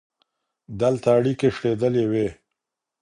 دلته اړيکي شلېدلي وي.